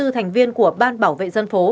bốn mươi bốn thành viên của ban bảo vệ dân phố